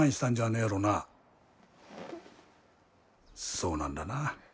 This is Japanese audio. そうなんらな。